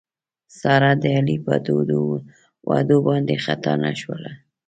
ساره د علي په تودو وعدو باندې خطا نه شوله.